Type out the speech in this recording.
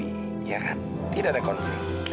iya kan tidak ada konflik